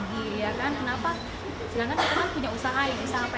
kita bosen nih cake terus cake cake cake lagi